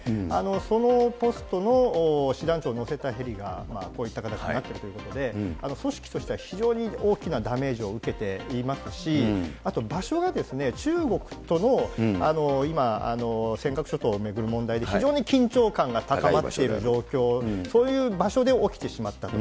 そのポストの師団長を乗せたヘリが、こういった形になってるということで、組織としては非常に大きなダメージを受けていますし、あと場所がですね、中国との今、尖閣諸島を巡る問題で、非常に緊張感が高まっている状況、そういう場所で起きてしまったと。